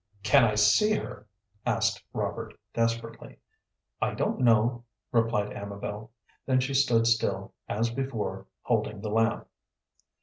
"Can I see her?" asked Robert, desperately. "I don't know," replied Amabel. Then she stood still, as before, holding the lamp.